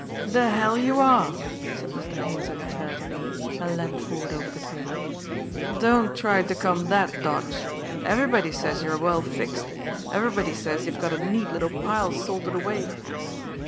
"The hell you are!" said Mr. Haines uncharitably, and leaned forward over the table. "Don't try to come that dodge! Everybody says you're well fixed. Everybody says you've got a neat little pile salted away."